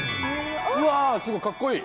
うわすごいかっこいい！